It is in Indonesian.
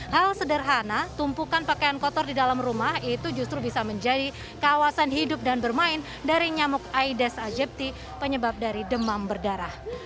hal sederhana tumpukan pakaian kotor di dalam rumah itu justru bisa menjadi kawasan hidup dan bermain dari nyamuk aedes aegypti penyebab dari demam berdarah